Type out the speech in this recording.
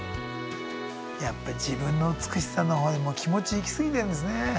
やっぱり自分の美しさの方に気持ちいきすぎてるんですね。